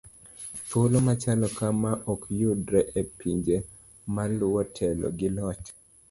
thuolo machalo kama okyudre e pinje maluwo telo gi loch